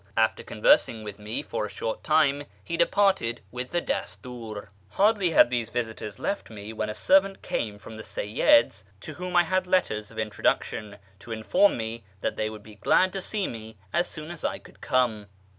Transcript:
After conversing with me for a short time, he departed with the Dastiir. Hardly had these visitors left me when a servant came from the Seyyids to whom I had letters of introduction, to inform me that they would be glad to see me as soon as I could come.